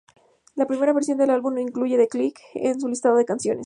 La primera versión del álbum, no incluye "The Click" en su listado de canciones.